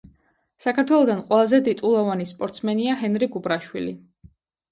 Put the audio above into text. საქართველოდან ყველაზე ტიტულოვანი სპორტსმენია ჰენრი კუპრაშვილი.